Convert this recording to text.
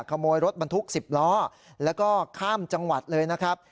ขโมยรถบรรทุก๑๐ล้อแล้วก็ข้ามจังหวัดเลยนะครับ